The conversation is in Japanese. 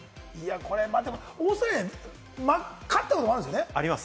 オーストラリアに勝ったことあるんですよね？